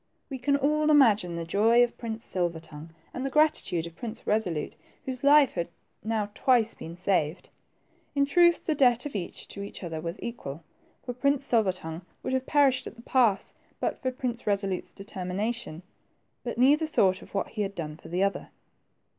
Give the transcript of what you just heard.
We can all imagine the joy of Prince Silver tongue, and the gratitude of Prince Resolute, whose life had now twice been saved. In truth, the debt of each to the other was equal, for Prince Silver tongue would have perished at the pass but for Prince Resolute's determination ; but neither thought of what he had done for the other.